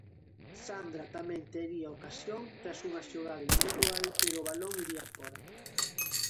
Sandra tamén tería ocasión tras unha xogada individual pero o balón iría fóra.